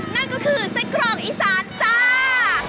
นั่นก็คือไส้กรอกอีสานจ้า